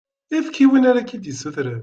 Efk i win ara k-d-issutren.